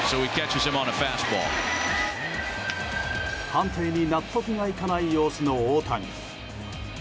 判定に納得がいかない様子の大谷。